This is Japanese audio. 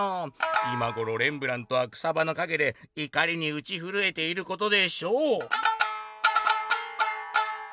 「今ごろレンブラントは草ばのかげでいかりにうちふるえていることでしょう」。